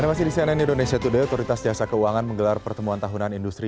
animasi di cnn indonesia today kualitas jasa keuangan menggelar pertemuan tahunan industri